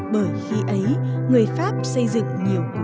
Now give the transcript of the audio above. bởi khi ấy người pháp xây dựng nhiều cửa